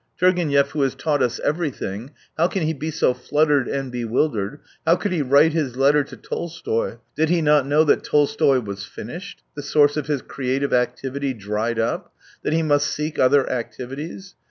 Tur genev, who has taught us everything — how can he be so fluttered and bewildered ? How could he write his letter to Tolstoy ? Did he not know that Tolstoy was finished, the source of his creative activity dried up, that he must seek other activities.